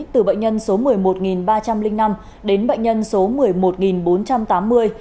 từ bệnh nhân số một mươi một ba trăm linh năm đến bệnh nhân số một mươi một bốn trăm tám mươi